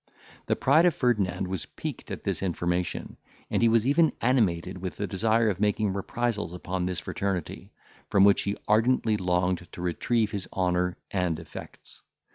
The pride of Ferdinand was piqued at this information; and he was even animated with the desire of making reprisals upon this fraternity, from which he ardently longed to retrieve his honour and effects.